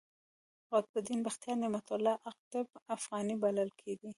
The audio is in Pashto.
قطب الدین بختیار، نعمت الله اقطب افغان بللی دﺉ.